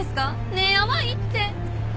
ねえヤバいって。